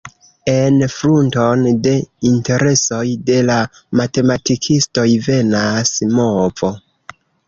En frunton de interesoj de la matematikistoj venas movo.